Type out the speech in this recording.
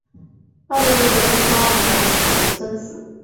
二硫为硫的双原子分子。